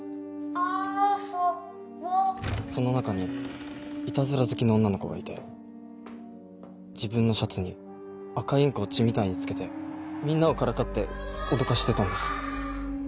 遊ぼうその中にイタズラ好きの女の子がいて自分のシャツに赤インクを血みたいに付けてみんなをからかって脅かしてたんです。